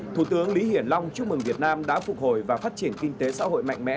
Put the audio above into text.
thủ tướng lý hiển long chúc mừng việt nam đã phục hồi và phát triển kinh tế xã hội mạnh mẽ